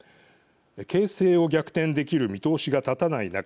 形勢を逆転できる見通しが立たない中